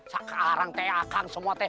sekarang akang semua